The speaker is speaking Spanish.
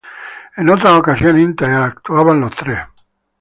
En otras ocasiones interactuaban los tres.